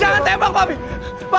jangan tembak bobby